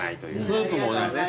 スープもね。